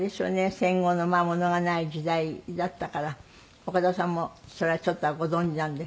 戦後のものがない時代だったから岡田さんもそれはちょっとはご存じなんで。